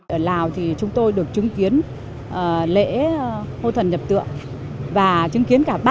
ở lào thì chúng tôi được chứng kiến lễ hô thần nhập tượng